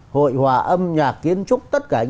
hội hòa âm nhạc kiến trúc tất cả